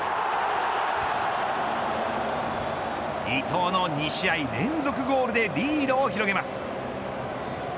伊東の２試合連続ゴールでリードを広げます。